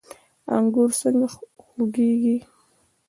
انګور څنګه خوږیږي؟